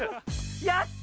やった。